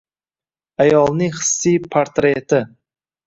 ayolning hissiy portreti